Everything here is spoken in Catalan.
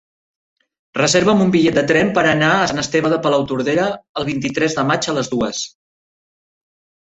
Reserva'm un bitllet de tren per anar a Sant Esteve de Palautordera el vint-i-tres de maig a les dues.